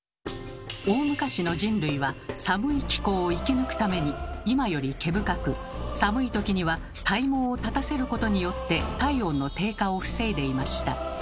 大昔の人類は寒い気候を生き抜くために今より毛深く寒い時には体毛を立たせることによって体温の低下を防いでいました。